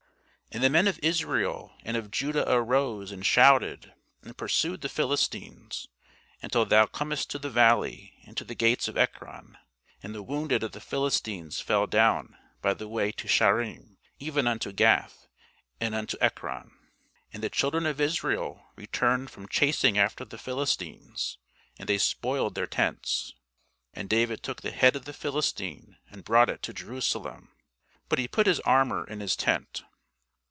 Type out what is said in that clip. And the men of Israel and of Judah arose, and shouted, and pursued the Philistines, until thou comest to the valley, and to the gates of Ekron. And the wounded of the Philistines fell down by the way to Shaaraim, even unto Gath, and unto Ekron. And the children of Irsael returned from chasing after the Philistines, and they spoiled their tents. And David took the head of the Philistine, and brought it to Jerusalem; but he put his armour in his tent.